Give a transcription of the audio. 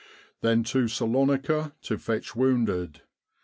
Then to Salonika to fetch wounded.